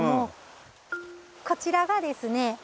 こちらがですね